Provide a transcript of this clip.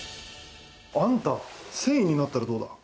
あんた、船医になったらどうだ？